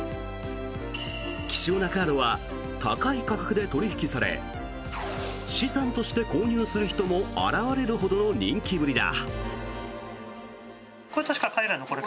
希少なカードは高い価格で取引され資産として購入する人も現れるほどの人気ぶりだ。